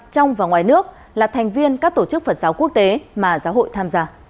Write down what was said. trong và ngoài nước là thành viên các tổ chức phật giáo quốc tế mà giáo hội tham gia